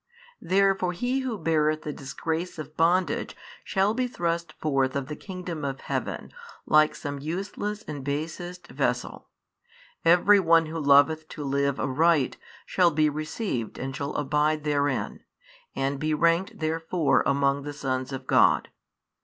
Therefore he who beareth the disgrace of bondage shall be thrust forth of the kingdom of heaven like some useless and basest vessel: every one who loveth to live aright shall be received and shall abide therein, and be ranked therefore among the sons of God.